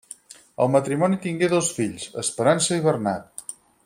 El matrimoni tingué dos fills, Esperança i Bernat.